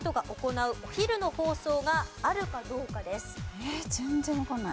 えっ全然わかんない。